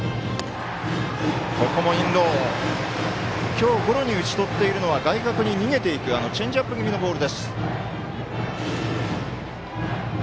今日、ゴロに打ち取っているのは外角に逃げているチェンジアップ気味のボール。